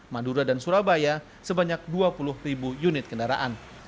madura dan surabaya sebanyak dua puluh ribu unit kendaraan